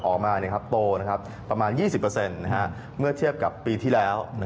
ออกมาโตประมาณ๒๐เมื่อเทียบกับปีที่แล้ว